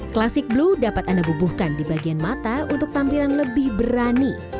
klasik blue dapat anda bubuhkan di bagian mata untuk tampilan lebih berani